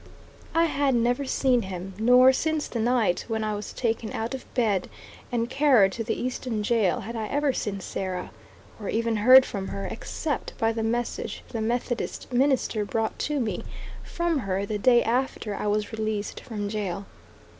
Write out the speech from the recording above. I had never seen him; nor, since the night when I was taken out of bed and carried to the Easton jail had I ever seen Sarah, or even heard from her, except by the message the Methodist minister brought to me from her the day after I was released from jail.